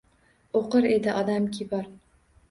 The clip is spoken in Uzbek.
O’qir edi odamki bor